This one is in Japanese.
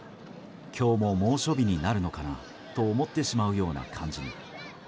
今日も猛暑日になるのかなと思ってしまうような感じに。